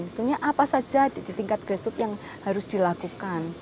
maksudnya apa saja di tingkat grassroots yang harus dilakukan